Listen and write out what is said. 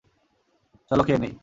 চলো খেয়ে নেই।